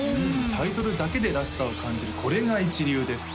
タイトルだけでらしさを感じるこれが一流ですよ